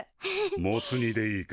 モツ煮でいいか？